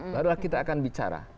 barulah kita akan bicara